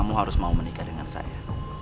kamu harus mau menikah dengan saya